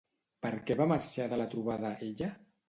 Per què va marxar de la trobada, ella?